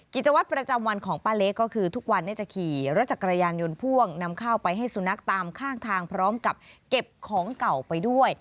กิจวัตรประจำวันของป้าเล็กก็คือทุกวันนี้จะขี่รถจักรยานยนต์พ่วงนำข้าวไปให้สุนัขตามข้างทางพร้อมกับเก็บของเก่าไปด้วย